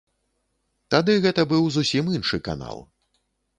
Тады гэта быў зусім іншы канал.